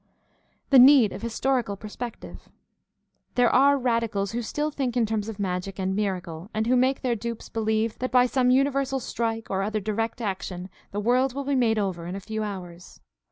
The need of historical perspective. — There are radicals who still think in terms of magic and miracle, and who make their dupes believe that by some universal strike or other "direct action" the world will be made over in a few hours.